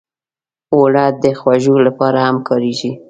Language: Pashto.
اوړه د خوږو لپاره هم کارېږي